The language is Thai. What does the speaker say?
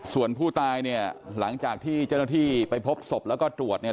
ส่วนผู้ตายเนี่ยหลังจากที่เจ้าหน้าที่ไปพบศพแล้วก็ตรวจเนี่ย